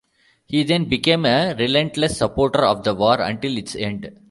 He then became a relentless supporter of the war until its end.